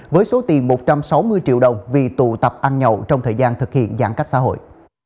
với số tiền một trăm sáu mươi triệu đồng vì tụ tập ăn nhậu trong thời gian thực hiện giãn cách xã hội